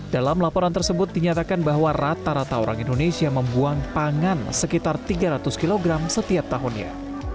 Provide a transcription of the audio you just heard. dalam laporan tersebut dinyatakan bahwa rata rata orang indonesia membuang pangan sekitar tiga ratus kg setiap tahunnya